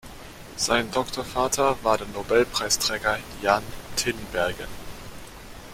Sein Doktorvater war der Nobelpreisträger Jan Tinbergen.